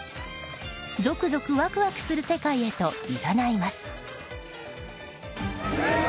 ゾクゾク、ワクワクする世界へといざないます。